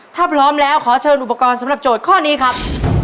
ถ้าพร้อมแล้วขอเชิญอุปกรณ์สำหรับโจทย์ข้อนี้ครับ